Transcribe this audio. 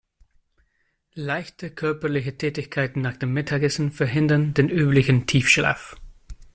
Leichte körperliche Tätigkeiten nach dem Mittagessen verhindern den üblichen Tiefschlaf.